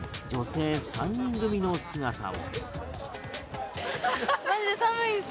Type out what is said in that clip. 女性３人組の姿も。